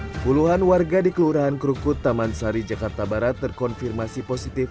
hai puluhan warga di kelurahan krukut taman sari jakarta barat terkonfirmasi positif